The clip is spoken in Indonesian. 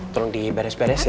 tolong diberes beres ya